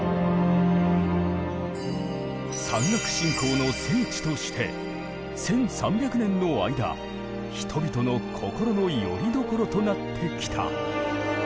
山岳信仰の聖地として１，３００年の間人々の心のよりどころとなってきた。